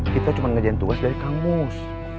kita cuma ngejalan tugas dari kang mus